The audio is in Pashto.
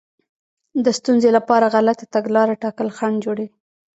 د ستونزې لپاره غلطه تګلاره ټاکل خنډ جوړوي.